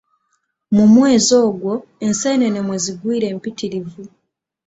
Mu mwezi ogwo enseenene mwezigwira empitirivu.